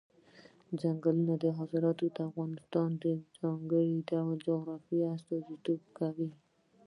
دځنګل حاصلات د افغانستان د ځانګړي ډول جغرافیه استازیتوب کوي.